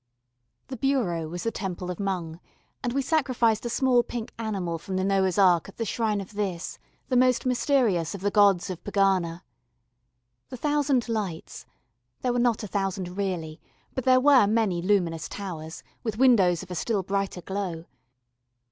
The bureau was the Temple of Mung, and we sacrificed a pale pink animal from the Noah's Ark at the shrine of this, the most mysterious of the Gods of Pegana. The thousand lights there were not a thousand, really, but there were many luminous towers, with windows of a still brighter glow.